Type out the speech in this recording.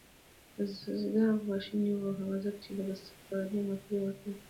بزگر خواشینی و هغه ځکه چې د سپارې موټۍ یې وتله.